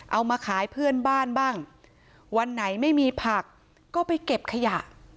เอามาขายเพื่อนบ้านบ้างวันไหนไม่มีผักก็ไปเก็บขยะ